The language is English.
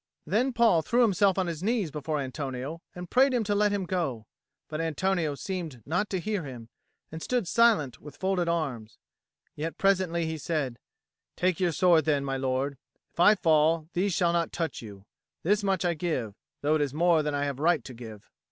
Then Paul threw himself on his knees before Antonio and prayed him to let him go; but Antonio seemed not to hear him, and stood silent with folded arms. Yet presently he said, "Take your sword then, my lord. If I fall, these shall not touch you. This much I give, though it is more than I have right to give."